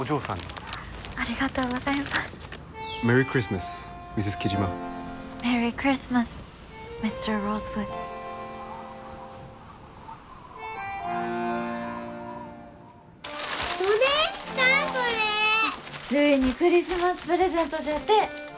るいにクリスマスプレゼントじゃて。